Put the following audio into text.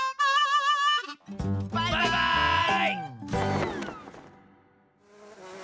バイバーイ！